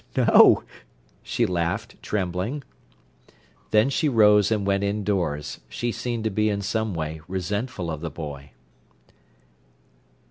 "No," she laughed, trembling. Then she rose and went indoors. She seemed to be in some way resentful of the boy.